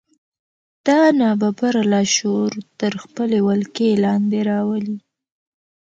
دا ناببره لاشعور تر خپلې ولکې لاندې راولي